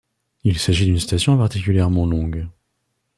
Il s'agit d'une station particulièrement longue.